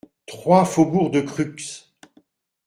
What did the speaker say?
trois faubourg de Crux